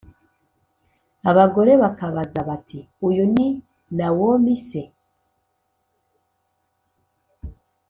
abagore bakabaza bati uyu ni Nawomi se